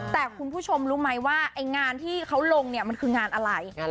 แต่คุณผู้ชมรู้ไหมว่าไอ้งานที่เขาลงเนี่ยมันคืองานอะไร